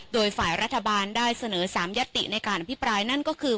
โดยฝ่ายรัฐบาลได้เสนอ๓ยติในการอภิปรายนั่นก็คือ